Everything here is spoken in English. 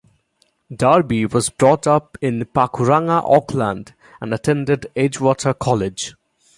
Darby was brought up in Pakuranga, Auckland and attended Edgewater College.